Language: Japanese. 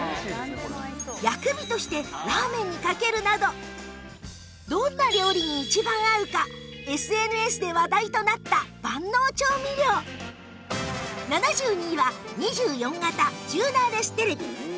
薬味としてラーメンにかけるなどどんな料理に一番合うか ＳＮＳ で話題となった万能調味料７２位は２４型チューナーレステレビ